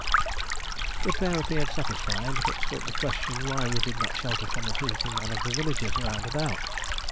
The pair appeared satisfied, but put the question why we did not shelter from the heat in one of the villages round about.